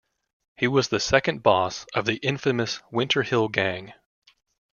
He was the second boss of the infamous Winter Hill Gang.